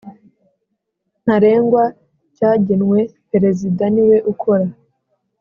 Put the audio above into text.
ntarengwa cyagenwe Perezida niwe ukora